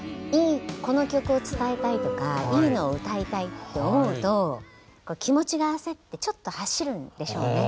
この曲を伝えたいとかいいのを歌いたいって思うと気持ちが焦ってちょっと走るんでしょうね。